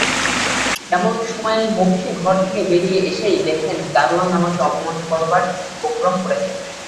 এমন সময়ে মক্ষী ঘর থেকে বেরিয়ে এসেই দেখে দরোয়ান আমাকে অপমান করবার উপক্রম করছে।